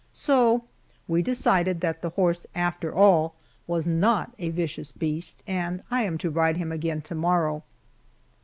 So we decided that the horse, after all, was not a vicious beast, and I am to ride him again to morrow.